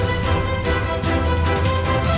saya akan menjaga kebenaran raden